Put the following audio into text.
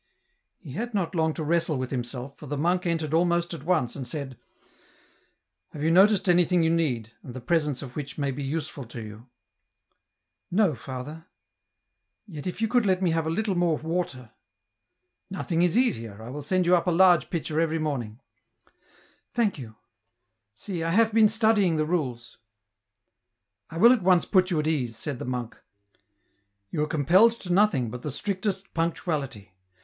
He had not long to wrestle with himself, for the monk entered almost at once and said, " Have you noticed anything you need, and the presence of which may be useful to you ?"" No, Father ; yet if you could let me have a little more water." " Nothing is easier ; I will send you up a large pitcher every morning." " Thank you ... see, I have been studying the rules." " I will at once put you at ease," said the monk. You are compelled to nothing but the strictest punctuality.